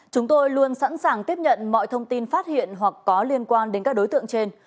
chúng tôi luôn sẵn sàng tiếp nhận mọi thông tin phát hiện hoặc có liên quan đến các đối tượng trên